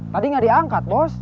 tadi gak diangkat bos